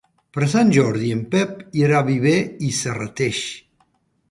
Per Sant Jordi en Pep irà a Viver i Serrateix.